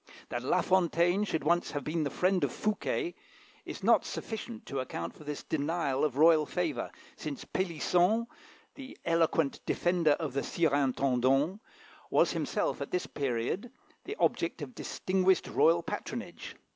That La Fontaine should have once been the friend of Fouquet is not sufficient to account for this denial of royal favour, since Pélisson, the eloquent defender of the Surintendant, was himself at this period the object of distinguished royal patronage.